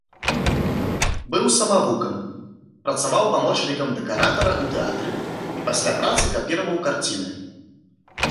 Быў самавукам, працаваў памочнікам дэкаратара ў тэатры і пасля працы капіраваў карціны.